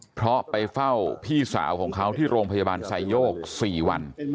เพราะไปเฝ้าพี่สาวของเขาที่โรงพยาบาลไซโยก๔วัน